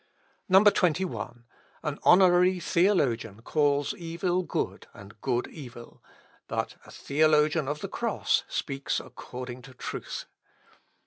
21. "An honorary theologian calls evil good, and good evil; but a theologian of the cross speaks according to truth.